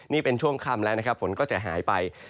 นี่เป็นช่วงค่ำแล้วนะครับฝนก็จะหายไป